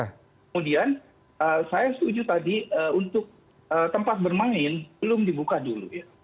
kemudian saya setuju tadi untuk tempat bermain belum dibuka dulu ya